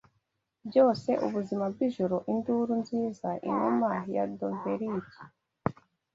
Byose ubuzima bwijoro Induru nziza, inuma ya dovelike